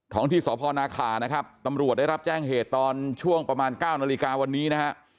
ที่สพนาขานะครับตำรวจได้รับแจ้งเหตุตอนช่วงประมาณ๙นาฬิกาวันนี้นะฮะ